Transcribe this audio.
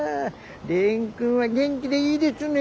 蓮くんは元気でいいでちゅね。